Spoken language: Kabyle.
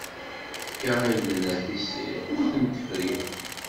Tefka irden ar tessirt ur ten-tefri.